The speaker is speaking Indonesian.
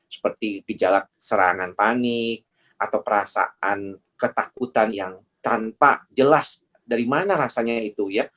seperti gejala serangan panik atau perasaan ketakutan yang tanpa jelas dari mana rasanya itu ya